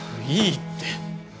いいって！